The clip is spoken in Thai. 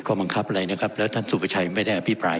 บังคับอะไรนะครับแล้วท่านสุประชัยไม่ได้อภิปราย